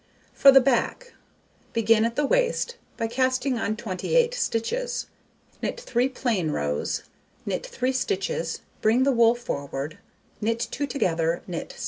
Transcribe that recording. For the back, begin at the waist by casting on 28 stitches, knit 3 plain rows, knit 3 stitches, bring the wool forward, knit 2 together, knit 6.